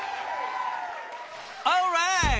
オーライ！